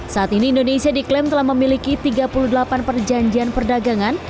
saat ini indonesia diklaim telah memiliki tiga puluh delapan perjanjian perdagangan